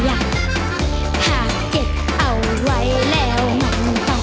หากเก็บเอาไว้แล้วมันต้อง